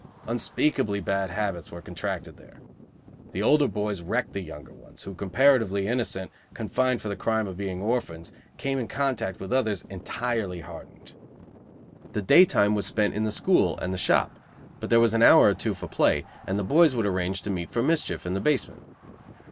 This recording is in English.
Unspeakably bad habits were contracted there. The older boys wrecked the younger ones, who, comparatively innocent, confined for the crime of being orphans, came in contact with others entirely hardened. The day time was spent in the school and the shop, but there was an hour or two for play, and the boys would arrange to meet for mischief in the basement.